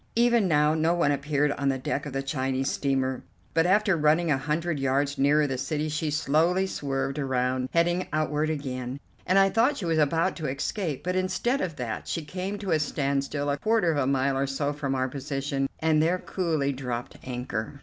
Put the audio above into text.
Even now no one appeared on the deck of the Chinese steamer, but after running a hundred yards nearer the city she slowly swerved around, heading outward again, and I thought she was about to escape; but instead of that she came to a standstill a quarter of a mile or so from our position and there coolly dropped anchor.